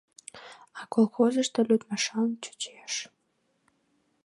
А колхозышто лӱдмашан чучеш.